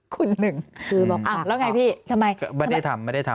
คุณหนึ่งแล้วไงพี่ทำไมไม่ได้ทำไม่ได้ทำ